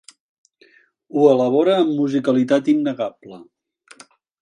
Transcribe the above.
Ho elabora amb musicalitat innegable.